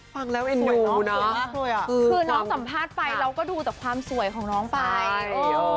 ฟังแล้วเอ็นดูนะคือน้องสัมภาษณ์ไฟเราก็ดูแต่ความสวยของน้องไฟ